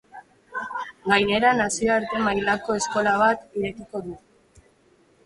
Gainera, nazioarte mailako eskola bat irekiko du.